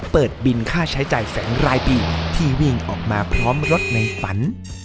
เปิดบินค่าใช้จ่ายแสนรายปีที่วิ่งออกมาพร้อมรถในฝัน